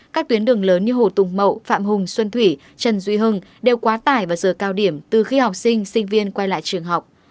các tuyến đường lớn như hồ tùng mậu phạm hùng xuân thủy trần duy hưng đều quá tải vào giờ cao điểm từ khi học sinh sinh viên quay lại trường học